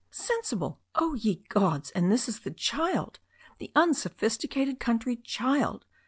"Sensible! Oh, ye gods! And this is the child! The unsophisticated country child